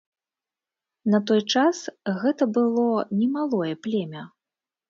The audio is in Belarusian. На той час гэта было немалое племя.